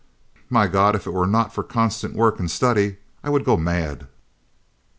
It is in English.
My God! if it were not for constant work and study I would go mad!"